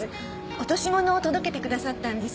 落とし物を届けてくださったんです。